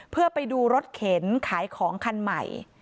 เพื่อไปดูรถเข็นขายของคันใหม่